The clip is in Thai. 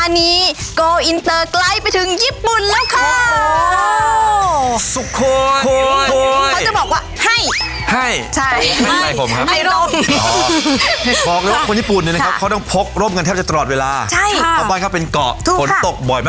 นี่เลย